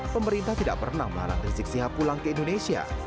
pemerintah tidak pernah melarang rizik sihab pulang ke indonesia